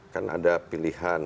kan ada pilihan